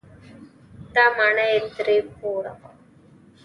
دا ماڼۍ درې پوړه وه.